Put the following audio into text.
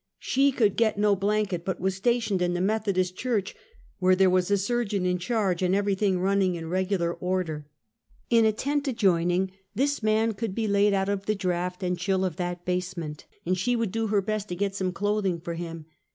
She could get no blanket; but was stationed in the Meth odist Church, where there was a surgeon in charge, and everything running in regular order. In a tent 318 Half a Centuet. adjoining, this man could be laid out of the draught and chill of that basement, and she would do her best to get some clothing for him.